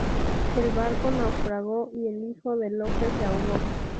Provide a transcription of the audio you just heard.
El barco naufragó y el hijo de Lope se ahogó.